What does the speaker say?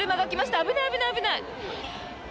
危ない、危ない！